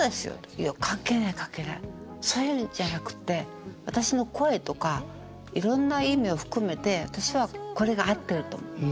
「いや関係ない関係ないそういうんじゃなくって私の声とかいろんな意味を含めて私はこれが合ってると思う」。